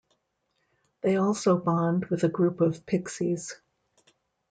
They also bond with a group of pixies.